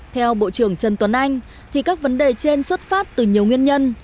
theo bộ trưởng trần tuấn anh thì các vấn đề trên xuất phát từ nhiều nguyên nhân